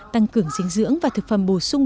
tăng cường dinh dưỡng và thực phẩm bổ sung